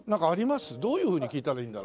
どういうふうに聞いたらいいんだろう。